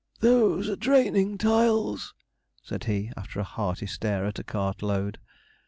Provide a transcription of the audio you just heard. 'Those are draining tiles,' said he, after a hearty stare at a cart load.